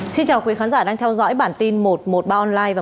xin chào quý khán giả đang theo dõi bản tin một trăm một mươi ba online